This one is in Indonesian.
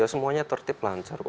semuanya tertip lancar